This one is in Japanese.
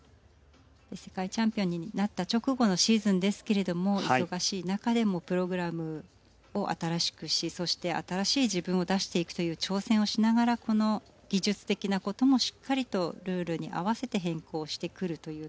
世界チャンピオンになった直後のシーズンですけれども忙しい中でもプログラムを新しくしそして新しい自分を出していくという挑戦をしながらこの技術的な事もしっかりとルールに合わせて変更してくるというところ。